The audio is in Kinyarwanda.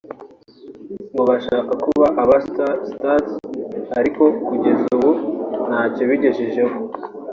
ngo bashaka kuba abasitari (stars) ariko kugeza nubu ntacyo bigejejeho